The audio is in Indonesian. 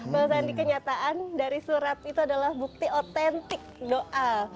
bang sandi kenyataan dari surat itu adalah bukti otentik doa